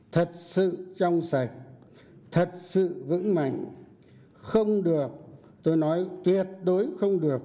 thật sự trong sạch thật sự vững mạnh không được tôi nói tuyệt đối không được